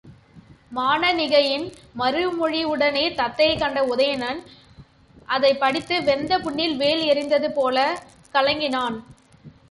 மானணிகையின் மறுமொழியுடனே தத்தையைக் கண்ட உதயணன், அதைப் படித்து வெந்த புண்ணில் வேல் எறிந்தது போலக் கலங்கினான்.